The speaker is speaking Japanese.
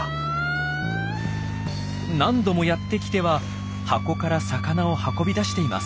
何度もやってきては箱から魚を運び出しています。